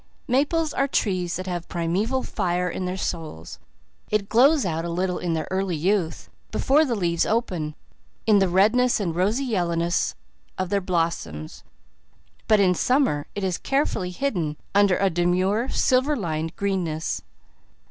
Maples are trees that have primeval fire in their souls. It glows out a little in their early youth, before the leaves open, in the redness and rosy yellowness of their blossoms, but in summer it is carefully hidden under a demure, silver lined greenness.